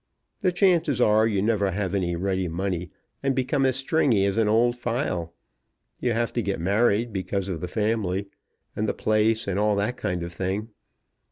The chances are you never have any ready money, and become as stingy as an old file. You have to get married because of the family, and the place, and all that kind of thing.